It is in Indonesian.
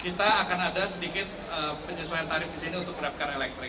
kita akan ada sedikit penyesuaian tarif disini untuk grab car electric